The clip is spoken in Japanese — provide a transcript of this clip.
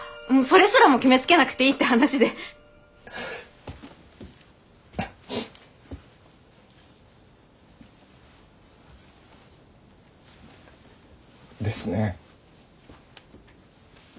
もうそれすらも決めつけなくていいって話で。ですね。